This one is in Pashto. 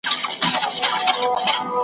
اور چي مي پر سیوري بلوي رقیب .